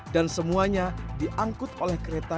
dan semuanya diangkut oleh kereta